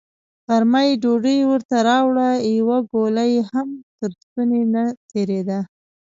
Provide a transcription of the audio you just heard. غرمه يې ډوډۍ ورته راوړه، يوه ګوله يې هم تر ستوني نه تېرېده.